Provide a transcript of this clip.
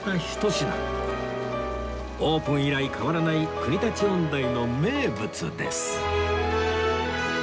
オープン以来変わらない国立音大の名物です